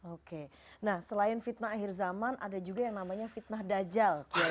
oke nah selain fitnah akhir zaman ada juga yang namanya fitnah dajal